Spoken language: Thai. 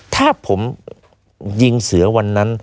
ถ้าผมยิงเสือวันนั้น